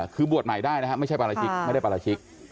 คือบวชใหม่ได้นะฮะไม่ใช่ปราชิกไม่ได้ปราชิก